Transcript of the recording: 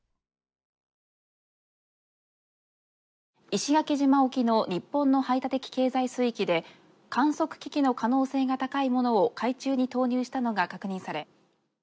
「石垣島沖の日本の排他的経済水域で観測機器の可能性が高いものを海中に投入したのが確認され」。